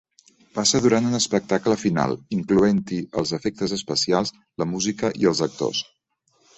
Passa durant un espectacle final, incloent-hi els efectes especials, la música i els actors.